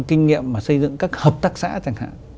kinh nghiệm mà xây dựng các hợp tác xã chẳng hạn